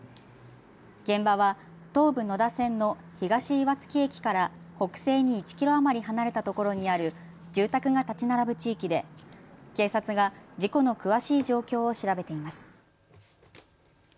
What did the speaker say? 現場は東武野田線の東岩槻駅から北西に１キロ余り離れたところにある住宅が建ち並ぶ地域で警察が事故の詳しい状況を調べています。